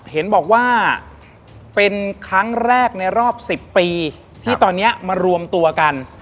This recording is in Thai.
เห็นบอกว่าเป็นครั้งแรกในรอบ๑๐ปีที่ตอนนี้มารวมตัวกัน